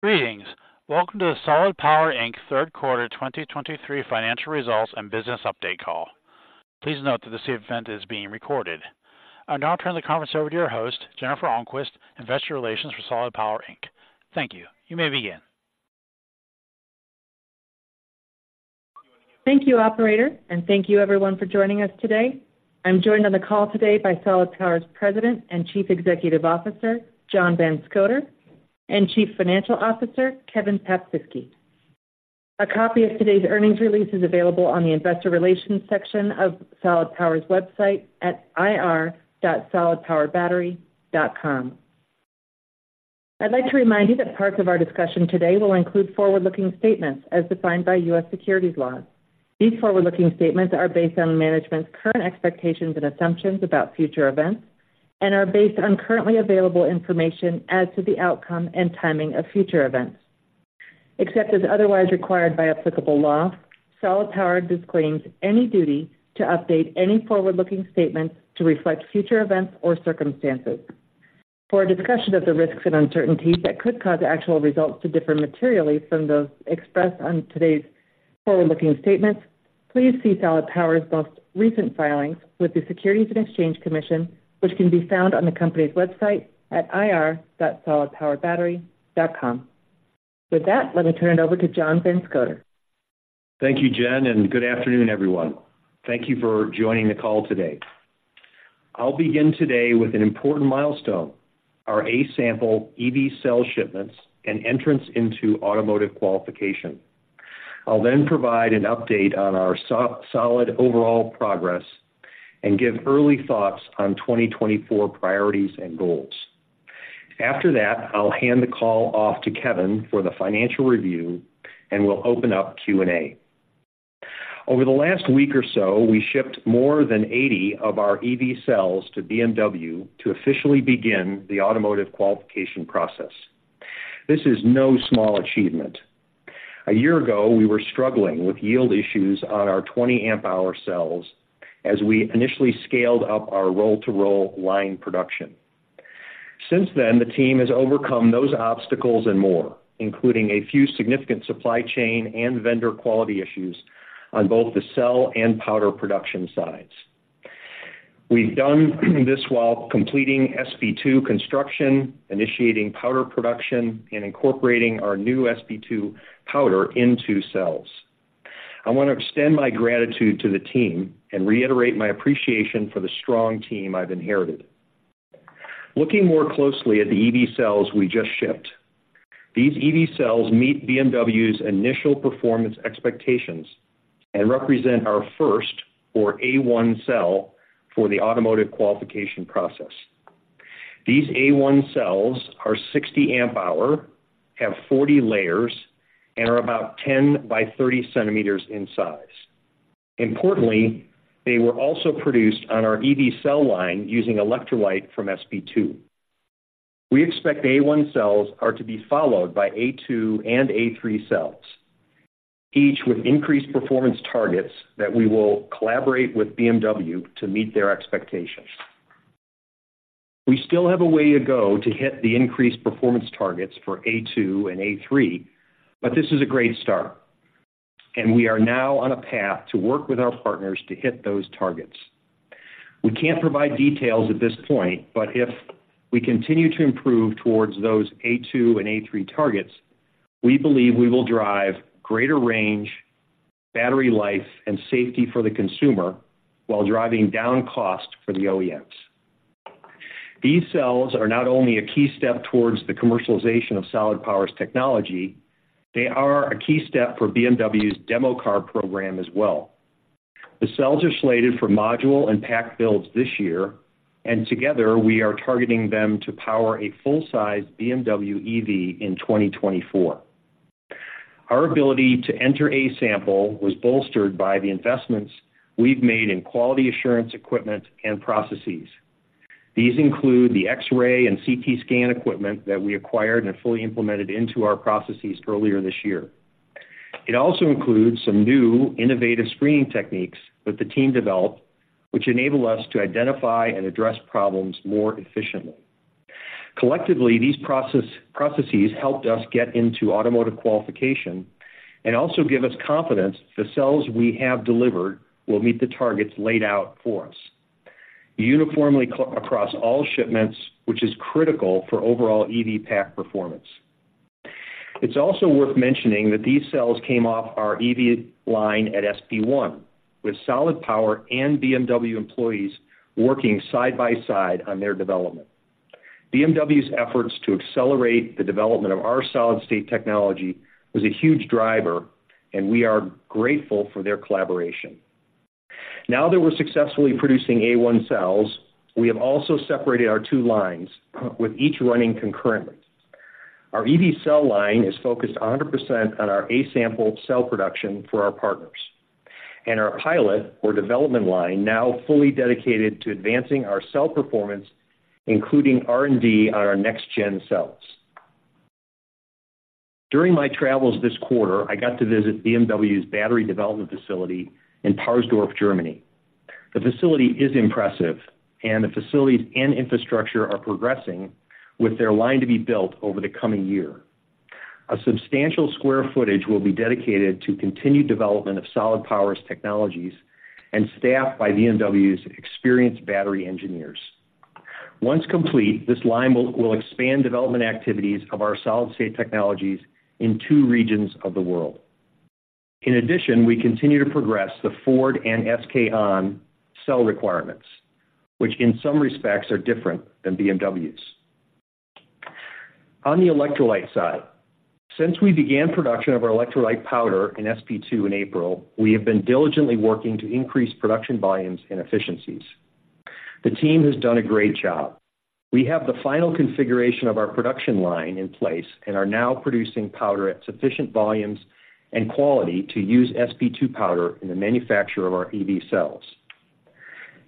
Greetings! Welcome to the Solid Power Inc Third Quarter 2023 Financial Results and Business Update Call. Please note that this event is being recorded. I'll now turn the conference over to your host, Jennifer Almquist, investor relations for Solid Power Inc. Thank you. You may begin. Thank you, operator, and thank you everyone for joining us today. I'm joined on the call today by Solid Power's President and Chief Executive Officer, John Van Scoter, and Chief Financial Officer, Kevin Paprzycki. A copy of today's earnings release is available on the investor relations section of Solid Power's website at ir.solidpowerbattery.com. I'd like to remind you that parts of our discussion today will include forward-looking statements as defined by U.S. securities laws. These forward-looking statements are based on management's current expectations and assumptions about future events and are based on currently available information as to the outcome and timing of future events. Except as otherwise required by applicable law, Solid Power disclaims any duty to update any forward-looking statements to reflect future events or circumstances. For a discussion of the risks and uncertainties that could cause actual results to differ materially from those expressed on today's forward-looking statements, please see Solid Power's most recent filings with the Securities and Exchange Commission, which can be found on the company's website at ir.solidpowerbattery.com. With that, let me turn it over to John Van Scoter. Thank you, Jen, and good afternoon, everyone. Thank you for joining the call today. I'll begin today with an important milestone, our A-sample EV cell shipments and entrance into automotive qualification. I'll then provide an update on our Solid, overall progress and give early thoughts on 2024 priorities and goals. After that, I'll hand the call off to Kevin for the financial review, and we'll open up Q&A. Over the last week or so, we shipped more than 80 of our EV cells to BMW to officially begin the automotive qualification process. This is no small achievement. A year ago, we were struggling with yield issues on our 20 amp hour cells as we initially scaled up our roll-to-roll line production. Since then, the team has overcome those obstacles and more, including a few significant supply chain and vendor quality issues on both the cell and powder production sides. We've done this while completing SP2 construction, initiating powder production, and incorporating our new SP2 powder into cells. I want to extend my gratitude to the team and reiterate my appreciation for the strong team I've inherited. Looking more closely at the EV cells we just shipped, these EV cells meet BMW's initial performance expectations and represent our first or A-1 cell for the automotive qualification process. These A-1 cells are 60 amp hour, have 40 layers, and are about 10 by 30 centimeters in size. Importantly, they were also produced on our EV cell line using electrolyte from SP2. We expect A-1 cells are to be followed by A-2 and A-3 cells, each with increased performance targets that we will collaborate with BMW to meet their expectations. We still have a way to go to hit the increased performance targets for A-2 and A-3, but this is a great start, and we are now on a path to work with our partners to hit those targets. We can't provide details at this point, but if we continue to improve towards those A-2 and A-3 targets, we believe we will drive greater range, battery life, and safety for the consumer while driving down cost for the OEMs. These cells are not only a key step towards the commercialization of Solid Power's technology, they are a key step for BMW's demo car program as well. The cells are slated for module and pack builds this year, and together, we are targeting them to power a full-size BMW EV in 2024. Our ability to enter A-sample was bolstered by the investments we've made in quality assurance, equipment, and processes. These include the X-ray and CT scan equipment that we acquired and fully implemented into our processes earlier this year. It also includes some new innovative screening techniques that the team developed, which enable us to identify and address problems more efficiently. Collectively, these processes helped us get into automotive qualification and also give us confidence the cells we have delivered will meet the targets laid out for us uniformly across all shipments, which is critical for overall EV pack performance. It's also worth mentioning that these cells came off our EV line at SP1, with Solid Power and BMW employees working side by side on their development. BMW's efforts to accelerate the development of our solid-state technology was a huge driver, and we are grateful for their collaboration. Now that we're successfully producing A-1 cells, we have also separated our two lines, with each running concurrently. Our EV cell line is focused 100% on our A-sample cell production for our partners, and our pilot or development line now fully dedicated to advancing our cell performance, including R&D on our next-gen cells. During my travels this quarter, I got to visit BMW's battery development facility in Parsdorf, Germany. The facility is impressive, and the facilities and infrastructure are progressing, with their line to be built over the coming year. A substantial square footage will be dedicated to continued development of Solid Power's technologies and staffed by BMW's experienced battery engineers. Once complete, this line will expand development activities of our solid-state technologies in two regions of the world. In addition, we continue to progress the Ford and SK On cell requirements, which in some respects are different than BMW's. On the electrolyte side, since we began production of our electrolyte powder in SP2 in April, we have been diligently working to increase production volumes and efficiencies. The team has done a great job. We have the final configuration of our production line in place and are now producing powder at sufficient volumes and quality to use SP2 powder in the manufacture of our EV cells.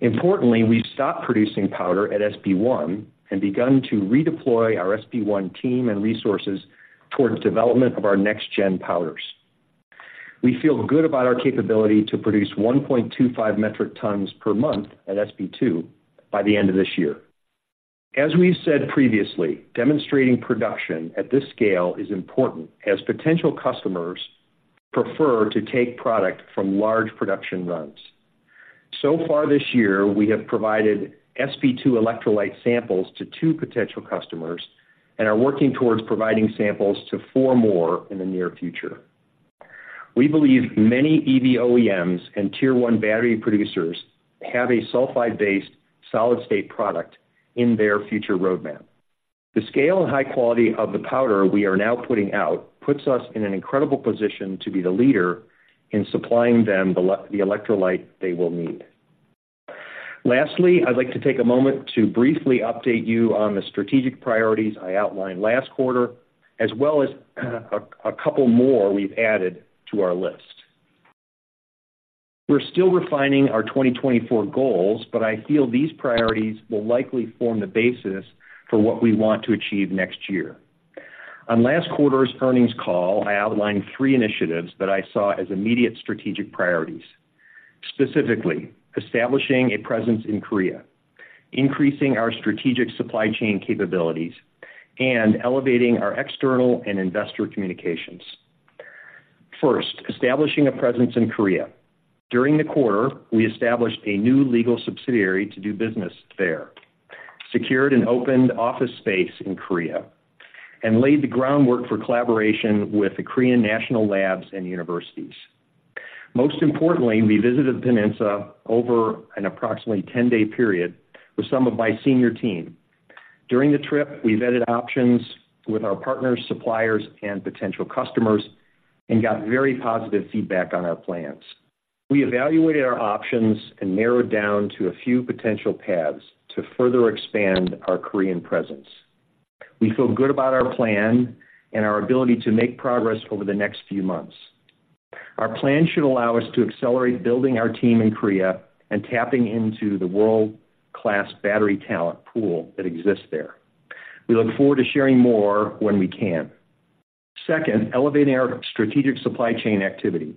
Importantly, we've stopped producing powder at SP1 and begun to redeploy our SP1 team and resources towards development of our next-gen powders. We feel good about our capability to produce 1.25 metric tons per month at SP2 by the end of this year. As we've said previously, demonstrating production at this scale is important, as potential customers prefer to take product from large production runs. So far this year, we have provided SP2 electrolyte samples to two potential customers and are working towards providing samples to four more in the near future. We believe many EV OEMs and Tier 1 battery producers have a sulfide-based solid-state product in their future roadmap. The scale and high quality of the powder we are now putting out puts us in an incredible position to be the leader in supplying them the electrolyte they will need. Lastly, I'd like to take a moment to briefly update you on the strategic priorities I outlined last quarter, as well as a couple more we've added to our list. We're still refining our 2024 goals, but I feel these priorities will likely form the basis for what we want to achieve next year. On last quarter's earnings call, I outlined three initiatives that I saw as immediate strategic priorities. Specifically, establishing a presence in Korea, increasing our strategic supply chain capabilities, and elevating our external and investor communications. First, establishing a presence in Korea. During the quarter, we established a new legal subsidiary to do business there, secured and opened office space in Korea, and laid the groundwork for collaboration with the Korean national labs and universities. Most importantly, we visited the peninsula over an approximately 10-day period with some of my senior team. During the trip, we vetted options with our partners, suppliers, and potential customers and got very positive feedback on our plans. We evaluated our options and narrowed down to a few potential paths to further expand our Korean presence. We feel good about our plan and our ability to make progress over the next few months. Our plan should allow us to accelerate building our team in Korea and tapping into the world-class battery talent pool that exists there. We look forward to sharing more when we can. Second, elevating our strategic supply chain activity.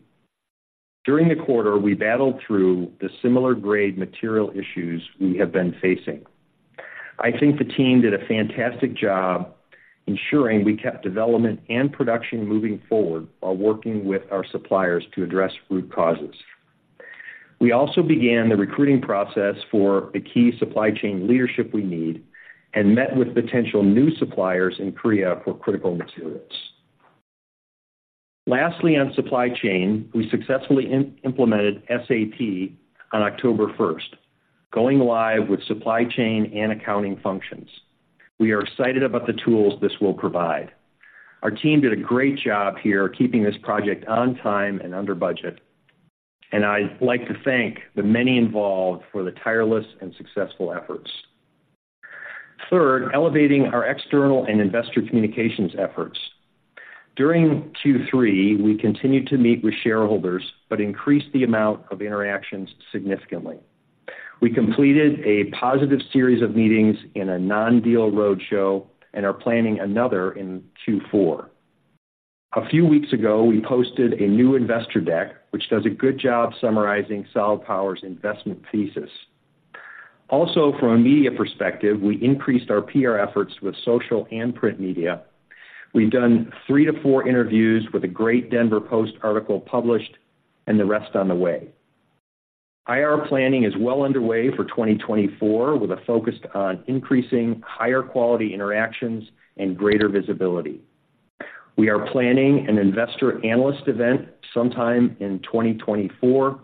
During the quarter, we battled through the similar grade material issues we have been facing. I think the team did a fantastic job ensuring we kept development and production moving forward while working with our suppliers to address root causes. We also began the recruiting process for the key supply chain leadership we need and met with potential new suppliers in Korea for critical materials. Lastly, on supply chain, we successfully implemented SAP on October first, going live with supply chain and accounting functions. We are excited about the tools this will provide. Our team did a great job here, keeping this project on time and under budget, and I'd like to thank the many involved for the tireless and successful efforts. Third, elevating our external and investor communications efforts. During Q3, we continued to meet with shareholders but increased the amount of interactions significantly. We completed a positive series of meetings in a non-deal roadshow and are planning another in Q4. A few weeks ago, we posted a new investor deck, which does a good job summarizing Solid Power's investment thesis. Also, from a media perspective, we increased our PR efforts with social and print media. We've done three-four interviews with a great Denver Post article published and the rest on the way. IR planning is well underway for 2024, with a focus on increasing higher quality interactions and greater visibility. We are planning an Investor Analyst event sometime in 2024,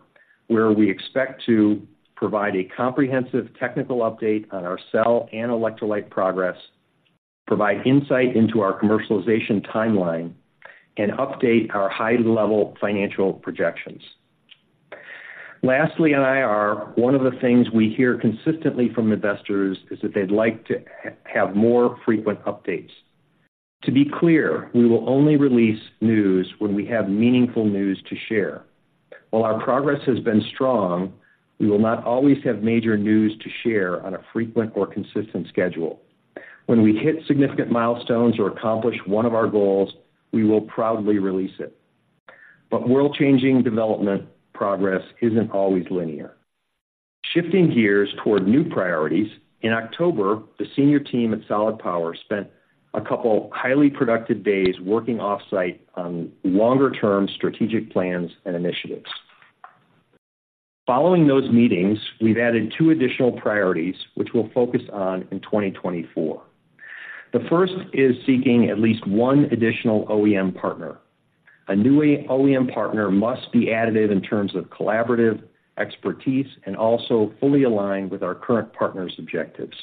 where we expect to provide a comprehensive technical update on our cell and electrolyte progress, provide insight into our commercialization timeline, and update our high-level financial projections. Lastly, on IR, one of the things we hear consistently from investors is that they'd like to have more frequent updates. To be clear, we will only release news when we have meaningful news to share. While our progress has been strong, we will not always have major news to share on a frequent or consistent schedule. When we hit significant milestones or accomplish one of our goals, we will proudly release it. But world-changing development progress isn't always linear. Shifting gears toward new priorities, in October, the senior team at Solid Power spent a couple highly productive days working off-site on longer-term strategic plans and initiatives. Following those meetings, we've added two additional priorities, which we'll focus on in 2024. The first is seeking at least one additional OEM partner. A new OEM partner must be additive in terms of collaborative expertise and also fully aligned with our current partner's objectives.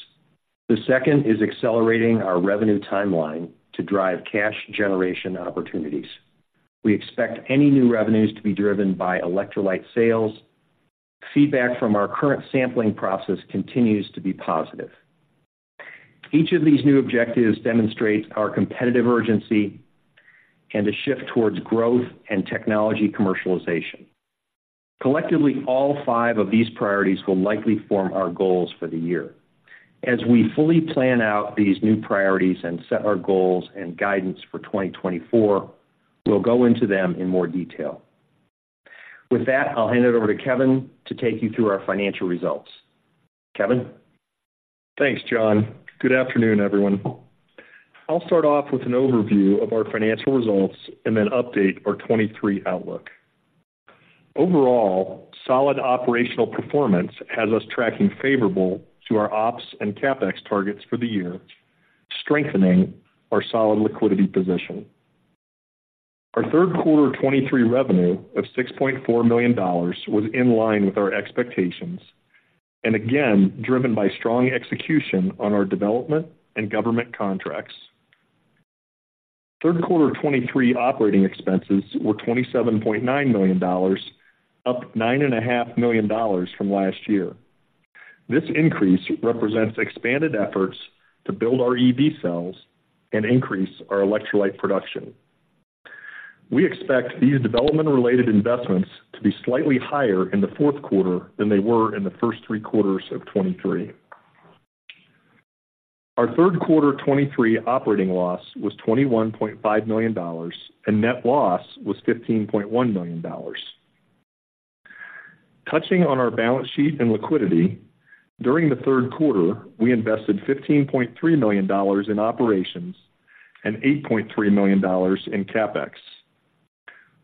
The second is accelerating our revenue timeline to drive cash generation opportunities. We expect any new revenues to be driven by electrolyte sales. Feedback from our current sampling process continues to be positive. Each of these new objectives demonstrates our competitive urgency and a shift towards growth and technology commercialization. Collectively, all five of these priorities will likely form our goals for the year. As we fully plan out these new priorities and set our goals and guidance for 2024, we'll go into them in more detail. With that, I'll hand it over to Kevin to take you through our financial results. Kevin? Thanks, John. Good afternoon, everyone. I'll start off with an overview of our financial results and then update our 2023 outlook. Overall, solid operational performance has us tracking favorable to our ops and CapEx targets for the year, strengthening our solid liquidity position. Our third quarter 2023 revenue of $6.4 million was in line with our expectations, and again, driven by strong execution on our development and government contracts. Third quarter 2023 operating expenses were $27.9 million, up $9.5 million from last year. This increase represents expanded efforts to build our EV cells and increase our electrolyte production. We expect these development-related investments to be slightly higher in the fourth quarter than they were in the first three quarters of 2023. Our third quarter 2023 operating loss was $21.5 million, and net loss was $15.1 million. Touching on our balance sheet and liquidity, during the third quarter, we invested $15.3 million in operations and $8.3 million in CapEx.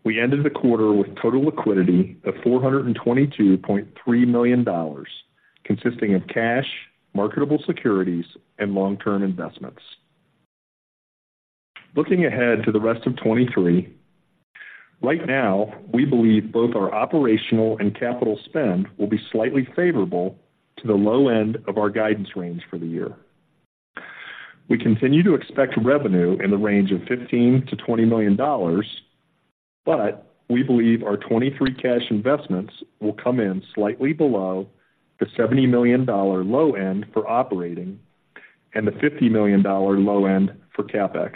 We ended the quarter with total liquidity of $422.3 million, consisting of cash, marketable securities, and long-term investments. Looking ahead to the rest of 2023, right now, we believe both our operational and capital spend will be slightly favorable to the low end of our guidance range for the year. We continue to expect revenue in the range of $15 million-$20 million, but we believe our 2023 cash investments will come in slightly below the $70 million low end for operating and the $50 million low end for CapEx.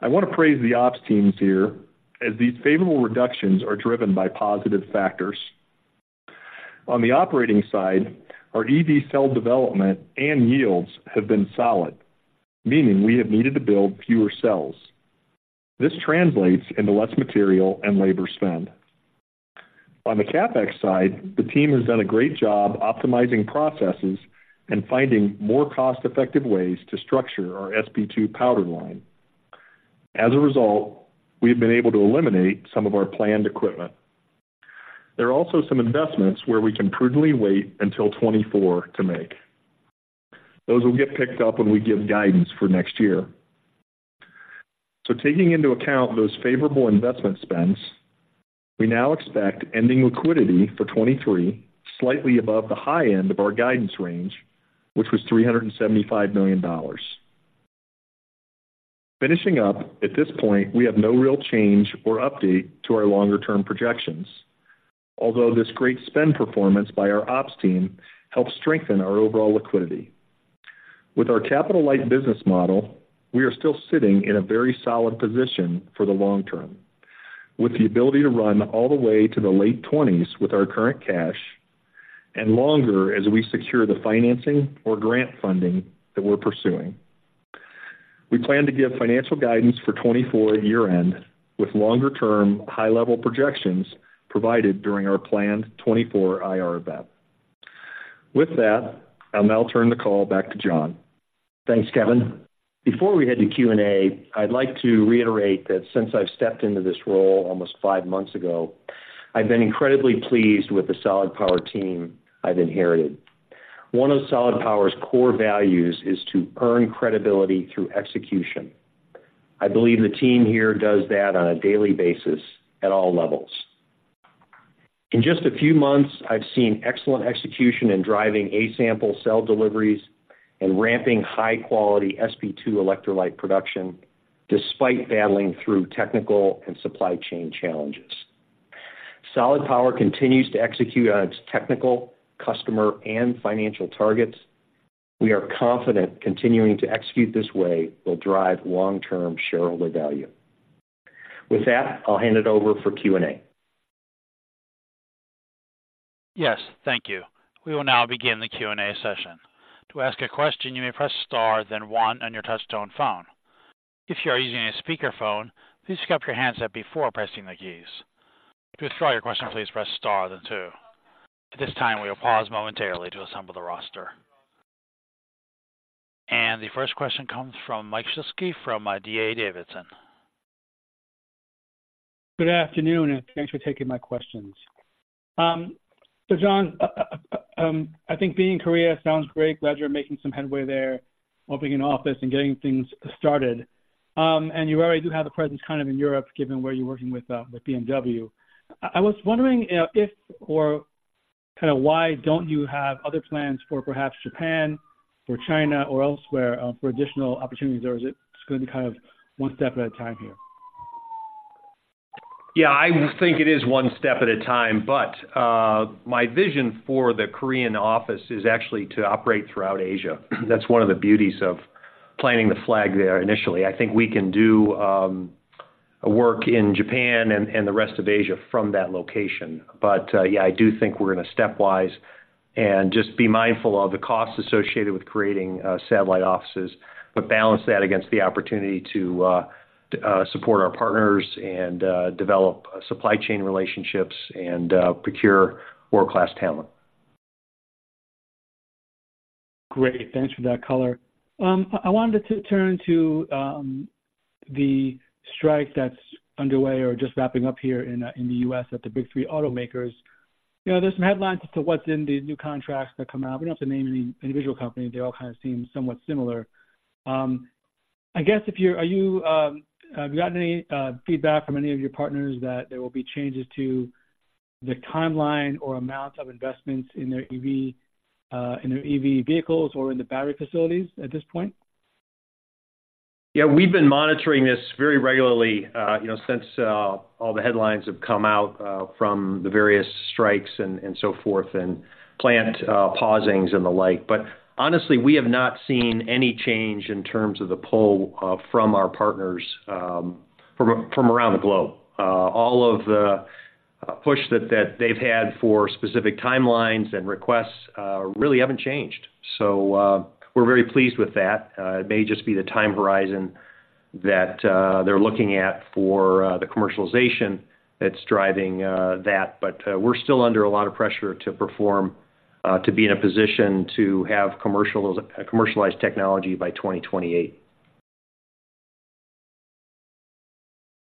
I want to praise the ops teams here, as these favorable reductions are driven by positive factors. On the operating side, our EV cell development and yields have been solid, meaning we have needed to build fewer cells. This translates into less material and labor spend. On the CapEx side, the team has done a great job optimizing processes and finding more cost-effective ways to structure our SP2 powder line. As a result, we've been able to eliminate some of our planned equipment. There are also some investments where we can prudently wait until 2024 to make. Those will get picked up when we give guidance for next year. So taking into account those favorable investment spends, we now expect ending liquidity for 2023, slightly above the high end of our guidance range, which was $375 million. Finishing up, at this point, we have no real change or update to our longer-term projections, although this great spend performance by our ops team helps strengthen our overall liquidity. With our capital-light business model, we are still sitting in a very solid position for the long term, with the ability to run all the way to the late 2020s with our current cash, and longer as we secure the financing or grant funding that we're pursuing. We plan to give financial guidance for 2024 at year-end, with longer-term, high-level projections provided during our planned 2024 IR event. With that, I'll now turn the call back to John. Thanks, Kevin. Before we head to Q&A, I'd like to reiterate that since I've stepped into this role almost five months ago, I've been incredibly pleased with the Solid Power team I've inherited. One of Solid Power's core values is to earn credibility through execution. I believe the team here does that on a daily basis at all levels. In just a few months, I've seen excellent execution in driving A-sample cell deliveries and ramping high-quality SP2 electrolyte production, despite battling through technical and supply chain challenges. Solid Power continues to execute on its technical, customer, and financial targets. We are confident continuing to execute this way will drive long-term shareholder value. With that, I'll hand it over for Q&A. Yes, thank you. We will now begin the Q&A session. To ask a question, you may press star, then one on your touchtone phone. If you are using a speakerphone, please pick up your handset before pressing the keys. To withdraw your question, please press star, then two. At this time, we will pause momentarily to assemble the roster. The first question comes from Mike Shlisky, from D.A. Davidson. Good afternoon, and thanks for taking my questions. So John, I think being in Korea sounds great. Glad you're making some headway there, opening an office and getting things started. And you already do have a presence kind of in Europe, given where you're working with BMW. I was wondering if or kinda why don't you have other plans for perhaps Japan or China or elsewhere, for additional opportunities, or is it just going to be kind of one step at a time here? Yeah, I think it is one step at a time, but my vision for the Korean office is actually to operate throughout Asia. That's one of the beauties of planting the flag there initially. I think we can do work in Japan and the rest of Asia from that location. But yeah, I do think we're gonna stepwise and just be mindful of the costs associated with creating satellite offices, but balance that against the opportunity to support our partners and develop supply chain relationships and procure world-class talent. Great. Thanks for that color. I wanted to turn to the strike that's underway or just wrapping up here in the U.S. at the Big Three automakers. You know, there's some headlines as to what's in the new contracts that come out. We don't have to name any individual company. They all kind of seem somewhat similar. I guess if you're-- are you, have you gotten any feedback from any of your partners that there will be changes to the timeline or amount of investments in their EV, in their EV vehicles or in the battery facilities at this point? Yeah, we've been monitoring this very regularly, you know, since all the headlines have come out from the various strikes and so forth, and plant pausings and the like. But honestly, we have not seen any change in terms of the pull from our partners from around the globe. All of the push that they've had for specific timelines and requests really haven't changed. So, we're very pleased with that. It may just be the time horizon that they're looking at for the commercialization that's driving that. But, we're still under a lot of pressure to perform to be in a position to have commercialized technology by 2028.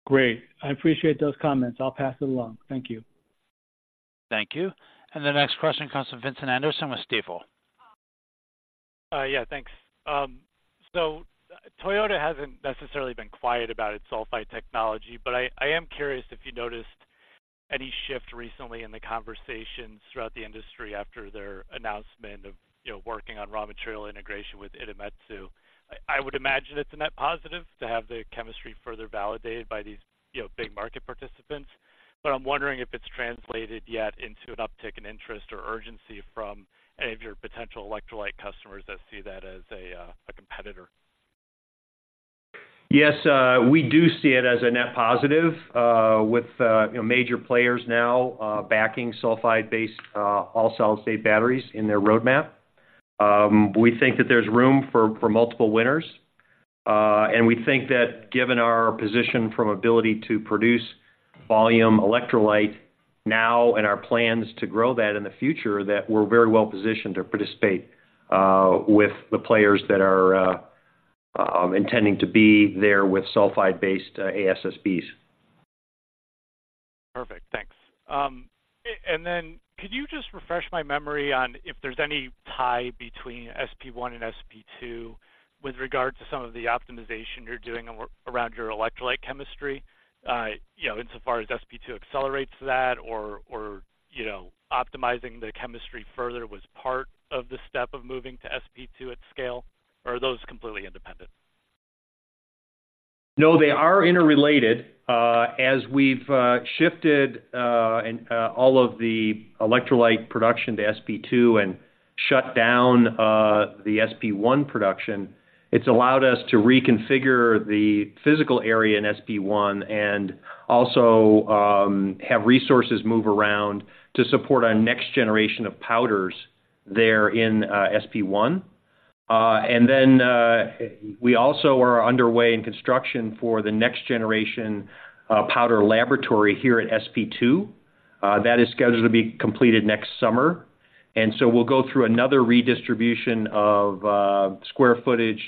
Great. I appreciate those comments. I'll pass it along. Thank you. Thank you. The next question comes from Vincent Anderson with Stifel. Yeah, thanks. So Toyota hasn't necessarily been quiet about its sulfide technology, but I am curious if you noticed any shift recently in the conversations throughout the industry after their announcement of, you know, working on raw material integration with Idemitsu. I would imagine it's a net positive to have the chemistry further validated by these, you know, big market participants, but I'm wondering if it's translated yet into an uptick in interest or urgency from any of your potential electrolyte customers that see that as a competitor. Yes, we do see it as a net positive, with, you know, major players now backing sulfide-based all-solid-state batteries in their roadmap. We think that there's room for multiple winners. And we think that given our position from ability to produce volume electrolyte now and our plans to grow that in the future, that we're very well positioned to participate with the players that are intending to be there with sulfide-based ASSBs. Perfect. Thanks. And then could you just refresh my memory on if there's any tie between SP1 and SP2 with regard to some of the optimization you're doing around your electrolyte chemistry? You know, insofar as SP2 accelerates that or, or, you know, optimizing the chemistry further was part of the step of moving to SP2 at scale, or are those completely independent? No, they are interrelated. As we've shifted and all of the electrolyte production to SP2 and shut down the SP1 production, it's allowed us to reconfigure the physical area in SP1 and also have resources move around to support our next generation of powders there in SP1. And then we also are underway in construction for the next generation powder laboratory here at SP2. That is scheduled to be completed next summer. And so we'll go through another redistribution of square footage,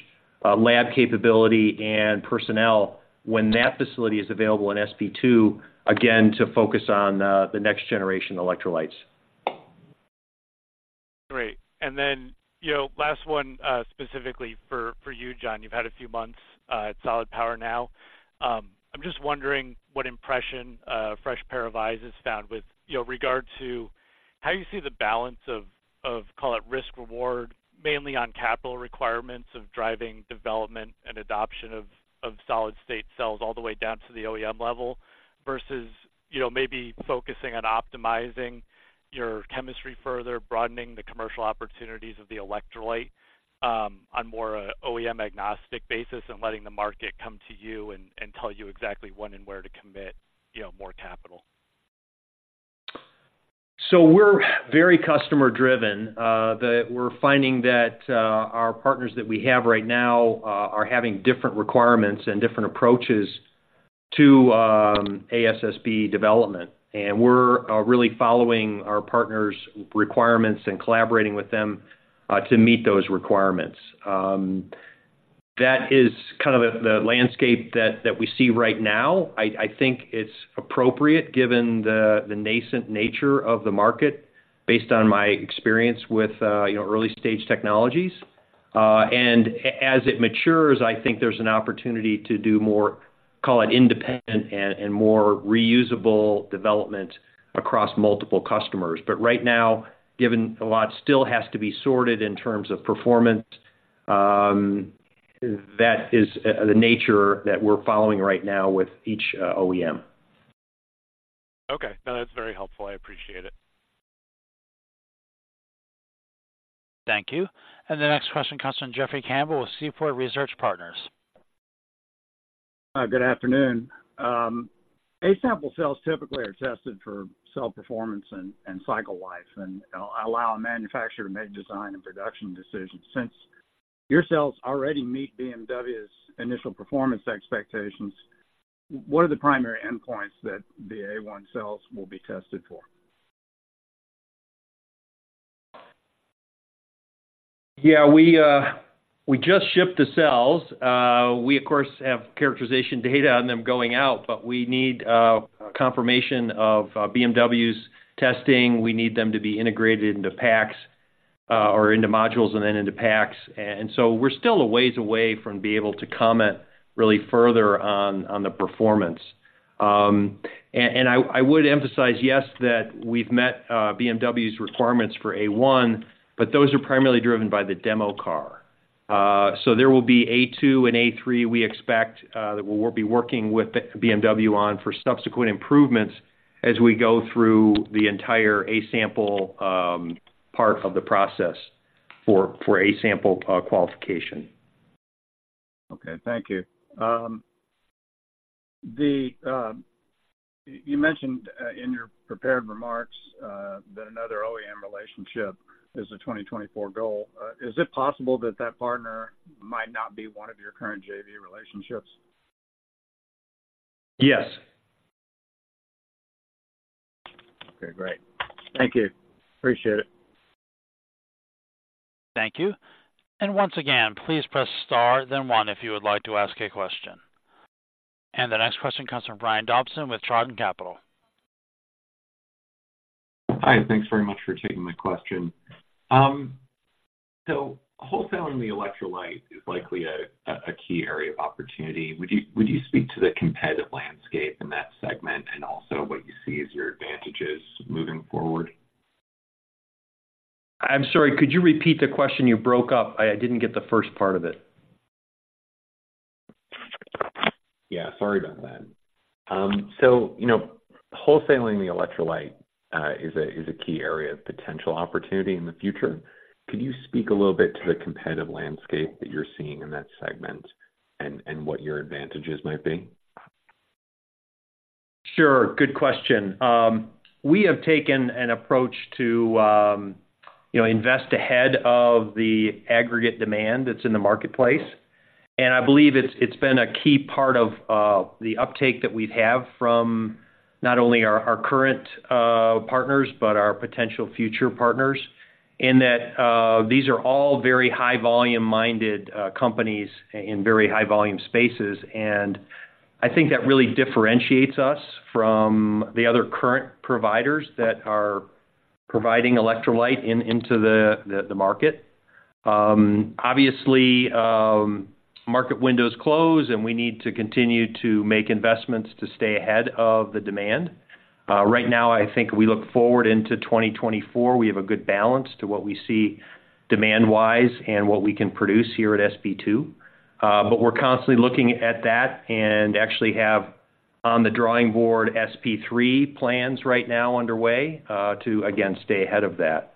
lab capability, and personnel when that facility is available in SP2, again, to focus on the next generation electrolytes. Great. And then, you know, last one, specifically for you, John. You've had a few months, at Solid Power now. I'm just wondering what impression a fresh pair of eyes has found with, you know, regard to how you see the balance of, call it, risk-reward, mainly on capital requirements of driving development and adoption of, solid-state cells all the way down to the OEM level, versus, you know, maybe focusing on optimizing your chemistry further, broadening the commercial opportunities of the electrolyte, on more, OEM agnostic basis, and letting the market come to you and tell you exactly when and where to commit, you know, more capital? So we're very customer-driven, that we're finding that, our partners that we have right now, are having different requirements and different approaches to, ASSB development. And we're, really following our partners' requirements and collaborating with them, to meet those requirements. That is kind of the, the landscape that, that we see right now. I think it's appropriate, given the, the nascent nature of the market, based on my experience with, you know, early-stage technologies. And as it matures, I think there's an opportunity to do more, call it independent and more reusable development across multiple customers. But right now, given a lot still has to be sorted in terms of performance, that is the nature that we're following right now with each, OEM. Okay. No, that's very helpful. I appreciate it. Thank you. The next question comes from Jeffrey Campbell with Seaport Research Partners. Good afternoon. A-sample cells typically are tested for cell performance and cycle life and allow a manufacturer to make design and production decisions. Since your cells already meet BMW's initial performance expectations, what are the primary endpoints that the A-1 cells will be tested for? Yeah, we just shipped the cells. We, of course, have characterization data on them going out, but we need confirmation of BMW's testing. We need them to be integrated into packs, or into modules and then into packs. And so we're still a ways away from being able to comment really further on the performance. And I would emphasize, yes, that we've met BMW's requirements for A-1, but those are primarily driven by the demo car. So there will be A-2 and A-3 we expect that we'll be working with BMW on for subsequent improvements as we go through the entire A-sample part of the process for A-sample qualification. Okay, thank you. You mentioned in your prepared remarks that another OEM relationship is a 2024 goal. Is it possible that that partner might not be one of your current JV relationships? Yes. Okay, great. Thank you. Appreciate it. Thank you. And once again, please press star, then one if you would like to ask a question. And the next question comes from Brian Dobson with Chardan Capital. Hi, thanks very much for taking my question. So wholesaling the electrolyte is likely a key area of opportunity. Would you speak to the competitive landscape in that segment and also what you see as your advantages moving forward? I'm sorry, could you repeat the question? You broke up. I didn't get the first part of it. Yeah, sorry about that. So, you know, wholesaling the electrolyte is a key area of potential opportunity in the future. Could you speak a little bit to the competitive landscape that you're seeing in that segment and what your advantages might be? Sure, good question. We have taken an approach to, you know, invest ahead of the aggregate demand that's in the marketplace. And I believe it's been a key part of the uptake that we've have from not only our current partners, but our potential future partners, in that-- these are all very high volume-minded companies in very high volume spaces. And I think that really differentiates us from the other current providers that are providing electrolyte into the market. Obviously, market windows close, and we need to continue to make investments to stay ahead of the demand. Right now, I think we look forward into 2024. We have a good balance to what we see demand-wise and what we can produce here at SP2. but we're constantly looking at that and actually have on the drawing board SP3 plans right now underway to again stay ahead of that.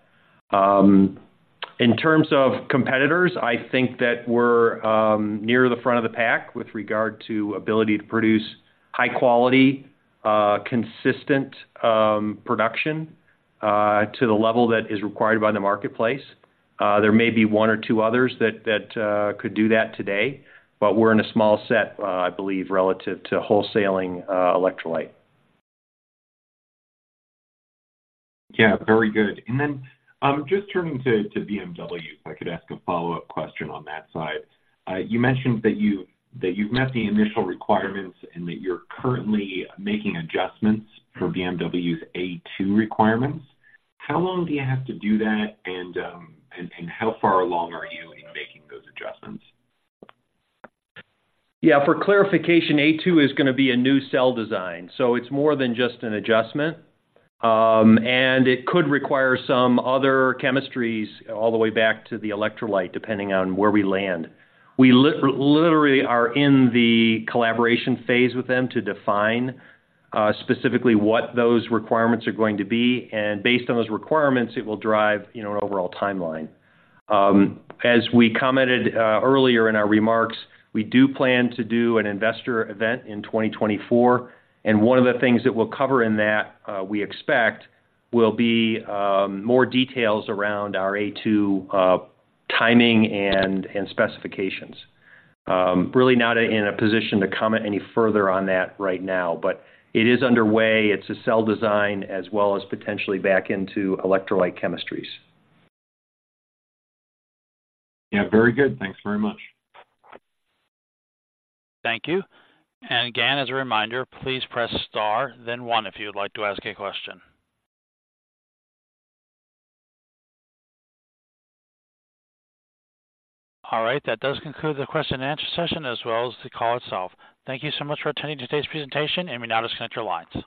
In terms of competitors, I think that we're near the front of the pack with regard to ability to produce high quality, consistent production to the level that is required by the marketplace. There may be one or two others that could do that today, but we're in a small set, I believe, relative to wholesaling electrolyte. Yeah, very good. And then, just turning to BMW, if I could ask a follow-up question on that slide. You mentioned that you've met the initial requirements and that you're currently making adjustments for BMW's A-2 requirements. How long do you have to do that, and how far along are you in making those adjustments? Yeah, for clarification, A-2 is gonna be a new cell design, so it's more than just an adjustment. And it could require some other chemistries all the way back to the electrolyte, depending on where we land. We literally are in the collaboration phase with them to define specifically what those requirements are going to be, and based on those requirements, it will drive, you know, an overall timeline. As we commented earlier in our remarks, we do plan to do an investor event in 2024, and one of the things that we'll cover in that, we expect, will be more details around our A-2 timing and specifications. Really not in a position to comment any further on that right now, but it is underway. It's a cell design as well as potentially back into electrolyte chemistries. Yeah, very good. Thanks very much. Thank you. And again, as a reminder, please press star, then one if you would like to ask a question. All right, that does conclude the question and answer session as well as the call itself. Thank you so much for attending today's presentation, and you may now disconnect your lines.